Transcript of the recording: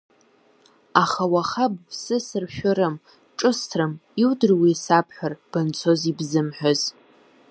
Аха уаха быԥсы сыршәарым, ҿысҭрым, иудыруеи исабҳәар, банцоз ибзымҳәаз.